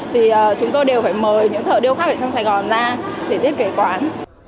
thì chúng tôi đều phải mời những thợ điêu khắc ở trong sài gòn ra để thiết kế quán